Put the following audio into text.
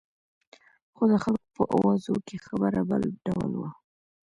خو د خلکو په اوازو کې خبره بل ډول وه.